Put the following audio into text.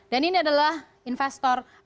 dan ini adalah investor